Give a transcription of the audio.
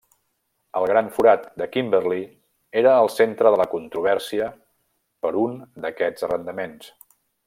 El gran forat de Kimberley era al centre de la controvèrsia per un d'aquests arrendaments.